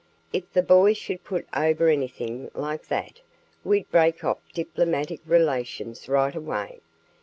If the boys should put over anything like that, we'd break off diplomatic relations right away.